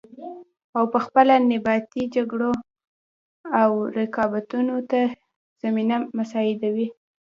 او پخپله نیابتي جګړو او رقابتونو ته زمینه مساعدوي